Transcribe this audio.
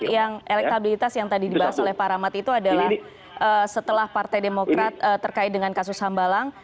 yang elektabilitas yang tadi dibahas oleh pak rahmat itu adalah setelah partai demokrat terkait dengan kasus hambalang